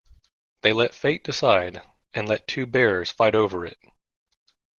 They let fate decide and let two bears fight over it.